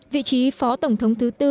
vị trí phó tổng thống thứ tư